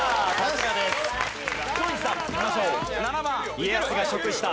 家康が食した。